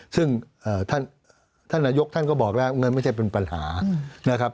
ซึ่งท่านนายกท่านก็บอกแล้วมันไม่ใช่เป็นปัญหานะครับ